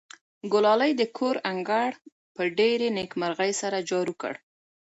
ګلالۍ د کور انګړ په ډېرې نېکمرغۍ سره جارو کړ.